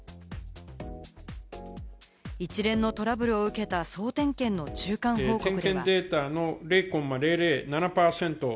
一連のトラブルを受けた総点検の中間報告では。